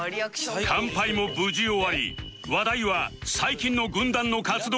乾杯も無事終わり話題は最近の軍団の活動について